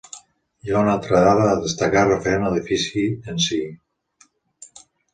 Hi ha una altra dada a destacar referent a l'edifici en si.